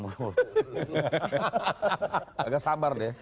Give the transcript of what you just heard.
agak sabar dia